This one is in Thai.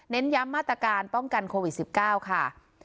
ย้ำมาตรการป้องกันโควิด๑๙ค่ะ